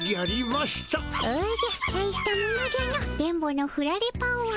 おじゃたいしたものじゃの電ボのふられパワー。